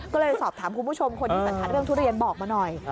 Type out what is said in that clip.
ก็เลยสอบถามคุณผู้ชมคนที่สัญชาติเรื่องทุเรียนบอกมาหน่อย